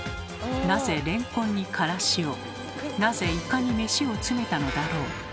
なぜレンコンにからしをなぜイカに飯を詰めたのだろう？